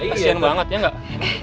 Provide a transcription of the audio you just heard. asyik banget ya gak